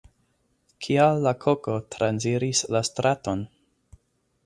Kial la koko transiris la straton?